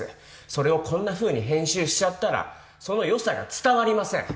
それをこんなふうに編集しちゃったらその良さが伝わりません